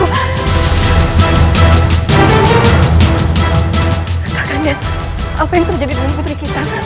kakak andet apa yang terjadi dengan putri kita